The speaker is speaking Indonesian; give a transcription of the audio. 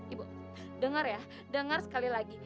ibu denger ya denger sekali lagi